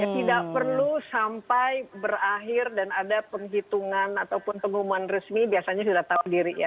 tidak perlu sampai berakhir dan ada penghitungan ataupun pengumuman resmi biasanya sudah tahu diri ya